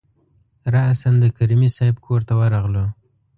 راسآ د کریمي صیب کورته ورغلو.